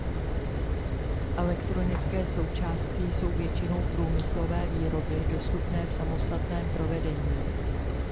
Elektronické součástky jsou většinou průmyslové výrobky dostupné v samostatném provedení.